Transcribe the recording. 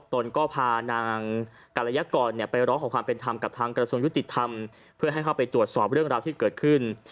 ตนก็พานางกรยากรไปร้องขอความเป็นธรรมกับทางกระทรวงยุติธรรมเพื่อให้เข้าไปตรวจสอบเรื่องราวที่เกิดขึ้น